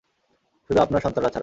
শুধু আপনার সন্তানরা ছাড়া।